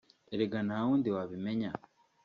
Erega nta wundi wabimenya